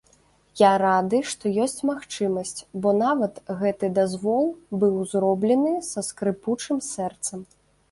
Я рады, што ёсць магчымасць, бо нават гэты дазвол быў зроблены са скрыпучым сэрцам.